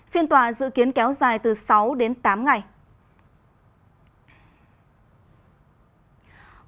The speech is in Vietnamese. phiên tòa dự kiến kéo dài từ sáu đến tám ngày